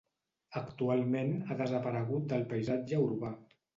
Actualment, ha desaparegut del paisatge urbà.